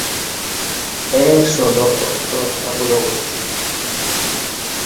এর সদরদপ্তর কাবুলে অবস্থিত।